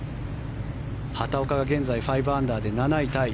畑岡が現在、５アンダーで７位タイ。